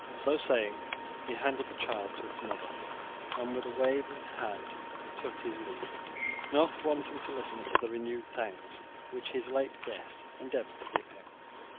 So saying he handed the child to its mother, and with a wave of the hand took his leave, not waiting to listen to the renewed thanks which his late guest endeavoured to give him.